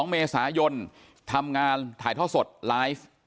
๒เมษายนทำงานถ่ายท่อสดไลฟ์